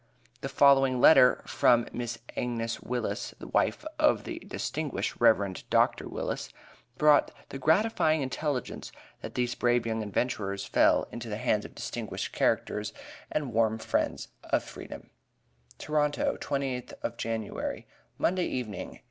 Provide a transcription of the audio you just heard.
The following letter from Mrs. Agnes Willis, wife of the distinguished Rev. Dr. Willis, brought the gratifying intelligence that these brave young adventurers, fell into the hands of distinguished characters and warm friends of Freedom: TORONTO, 28th January, Monday evening, 1856.